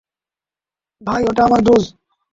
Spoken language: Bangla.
ভাই, ওটা আমার ডোজ।